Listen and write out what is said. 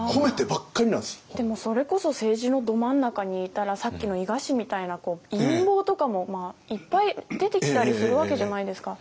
でもそれこそ政治のど真ん中にいたらさっきの伊賀氏みたいな陰謀とかもいっぱい出てきたりするわけじゃないですか。